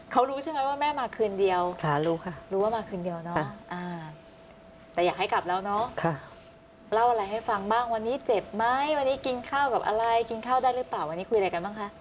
เขารู้ใช่ไหมว่าแม่มาคืนเดียวรู้ว่ามาคืนเดียวเนาะแต่อยากให้กลับแล้วเนาะเล่าอะไรให้ฟังบ้างวันนี้เจ็บไหมวันนี้กินข้าวกับอะไรกินข้าวได้หรือเปล่าวันนี้คุยอะไรกันบ้างคะ